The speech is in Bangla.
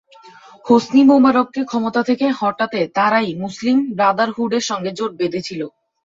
হোসনি মোবারককে ক্ষমতা থেকে হটাতে তারাই মুসলিম ব্রাদারহুডের সঙ্গে জোট বেঁধেছিল।